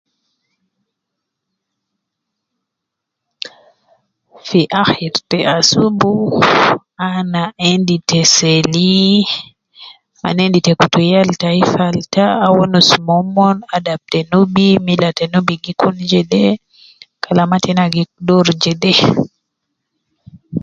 Fi akhir te asubu, ana endi te seli, ana endi te kutu yal tai falta, an wonus momon adab te nubi, mila te nubi gi kun jede, kalama tena gi doru jede